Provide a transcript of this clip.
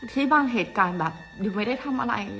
ที่บางเหตุการณ์แบบดิวไม่ได้ทำอะไร